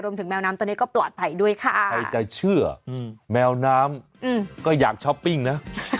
แมวน้ำตัวนี้ก็ปลอดภัยด้วยค่ะใครจะเชื่อแมวน้ำก็อยากช้อปปิ้งนะ